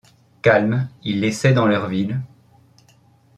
Calmes, ils laissaient dans leur ville